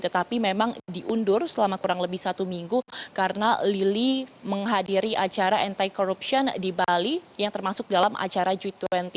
tetapi memang diundur selama kurang lebih satu minggu karena lili menghadiri acara anti corruption di bali yang termasuk dalam acara g dua puluh